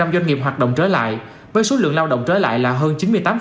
doanh nghiệp hoạt động trở lại với số lượng lao động trở lại là hơn chín mươi tám